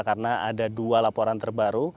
karena ada dua laporan terbaru